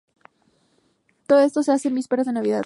Todo esto se hace en vísperas de Navidad.